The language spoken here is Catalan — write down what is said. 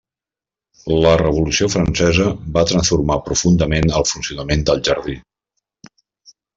La Revolució Francesa va transformar profundament el funcionament del Jardí.